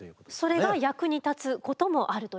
それが役に立つこともあるという。